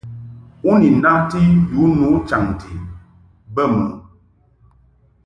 U ni naʼti yu nu chaŋti bə mɨ ?